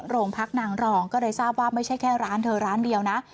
โรงพักนางรองก็เลยทราบว่าไม่ใช่แค่ร้านเธอร้านเดียวนะ